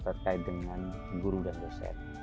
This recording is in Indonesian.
terkait dengan guru dan dosen